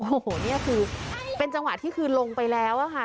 โอ้โหนี่คือเป็นจังหวะที่คือลงไปแล้วค่ะ